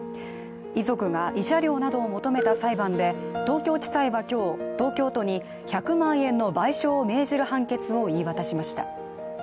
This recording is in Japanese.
遺族が慰謝料などを求めた裁判で東京地裁は今日、東京都に１００万円の賠償を命じる判決を言い渡しました。